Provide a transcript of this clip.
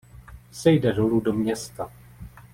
Sejde dolů do města.